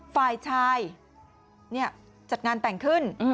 ฝ่ายชายจัดงานแต่งขึ้น